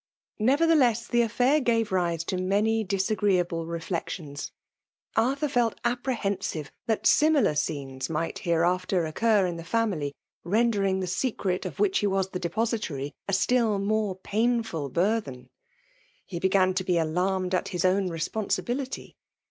Nevertheless the affair ga^ rise to many disagreeaUe reflections. Arthur felt appce henrive that similar scenes might hereaflbor oocur in the family^ rendering the secret of which he was the depositary a still more pain fiil burthen. He began to be alarmed at his own responsibiliiy.